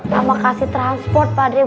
sama kasih transport pak adri